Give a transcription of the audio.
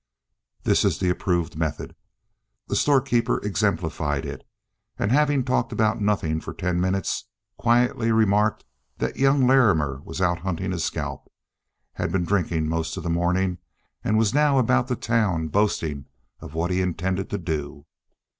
This is the approved method. The storekeeper exemplified it, and having talked about nothing for ten minutes, quietly remarked that young Larrimer was out hunting a scalp, had been drinking most of the morning, and was now about the town boasting of what he intended to do.